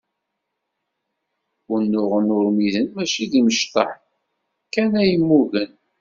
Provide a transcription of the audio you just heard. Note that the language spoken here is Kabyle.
Unuɣen urmiden mačči i imecṭaḥ kan ay mmugen.